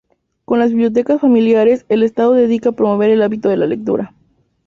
Con las Bibliotecas Familiares el estado dedica a promover el hábito de lectura.